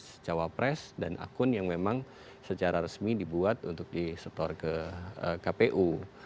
akun capres jawa press dan akun yang memang secara resmi dibuat untuk di store ke kpu